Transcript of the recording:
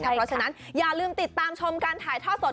เพราะฉะนั้นอย่าลืมติดตามชมการถ่ายทอดสด